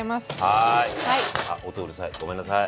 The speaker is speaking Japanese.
あ音うるさいごめんなさい。